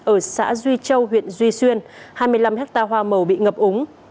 ở xã duy châu huyện duy xuyên hai mươi năm ha hoa màu bị ngập ống